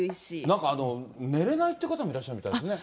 なんか寝れないって方もいらっしゃるみたいですね。